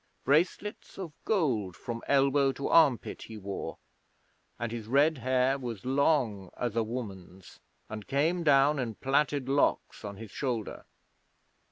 Bracelets of gold from elbow to armpit he wore, and his red hair was long as a woman's, and came down in plaited locks on his shoulder.